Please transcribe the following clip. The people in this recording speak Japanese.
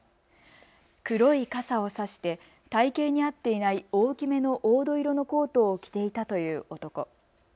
黒い傘を差して体型に合っていない大きめの黄土色のコートを着ていたという男。